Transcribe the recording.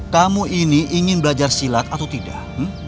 kamu ini ingin belajar silat atau tidak